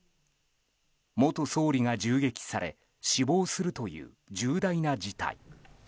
元総理が銃撃され死亡するという重大な事態。